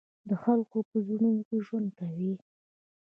د خلقو پۀ زړونو کښې ژوند کوي،